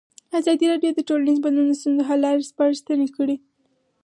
ازادي راډیو د ټولنیز بدلون د ستونزو حل لارې سپارښتنې کړي.